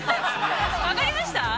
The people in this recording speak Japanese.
◆分かりました？